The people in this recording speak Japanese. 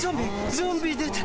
ゾンビ出た！